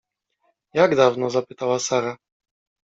— Jak dawno? — zapytała Sara.